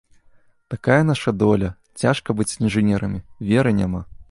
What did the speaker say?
Такая наша доля, цяжка быць інжынерамі, веры няма.